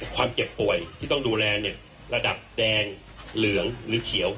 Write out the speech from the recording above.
เจ็บป่วยที่ต้องดูแลเนี่ยระดับแดงเหลืองหรือเขียว